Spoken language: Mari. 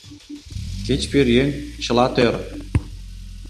Кеч пӧръеҥ Чыла тӧр!